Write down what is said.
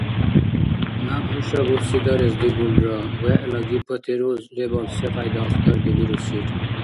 Наб хӀуша бурсидарес дигулра вегӀла гипотиреоз лебал секьяйда ахтардибирусил.